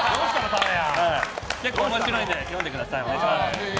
結構面白いんで読んでください。